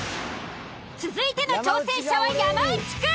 続いての挑戦者は山内くん。